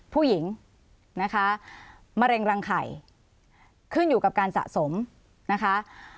ผู้หญิงนะคะมะเร็งรังไข่ขึ้นอยู่กับการสะสมนะคะ